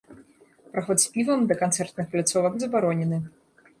Праход з півам да канцэртных пляцовак забаронены.